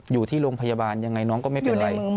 อยู่ที่โรงพยาบาลยังไงน้องก็ไม่เป็นไร